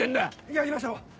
やりましょう！